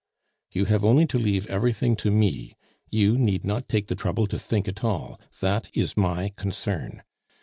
"You have only to leave everything to me; you need not take the trouble to think at all; that is my concern.